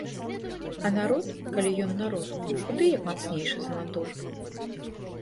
А народ, калі ён народ, куды як мацнейшы за натоўп.